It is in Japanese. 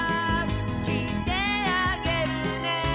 「きいてあげるね」